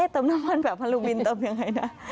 เติมน้ำมันแบบฮาโลวินเติมยังไงนะ